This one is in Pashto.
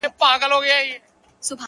سر تر نوکه لکه زرکه ښایسته وه٫